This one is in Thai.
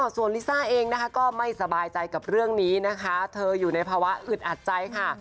ส่วนลิซ่าเองนะคะก็ไม่สบายใจกับเรื่องนี้นะคะเธออยู่ในภาวะอึดอัดใจค่ะ